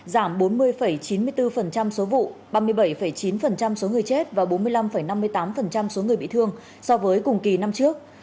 giảm bốn mươi chín mươi bốn số vụ ba mươi bảy chín số người chết và bốn mươi năm năm mươi tám số người bị thương so với cùng kỳ năm trước